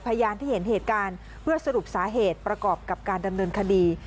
พยานที่เห็นเหตุการณ์เพื่อสรุปสาเหตุประกอบกับการดำเนินคดี